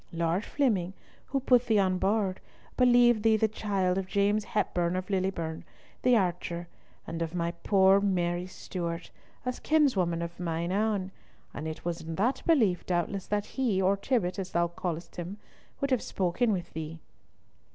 Lord Flemyng, who put thee on board, believed thee the child of James Hepburn of Lillieburn, the archer, and of my poor Mary Stewart, a kinswoman of mine ain; and it was in that belief doubtless that he, or Tibbott, as thou call'st him, would have spoken with thee."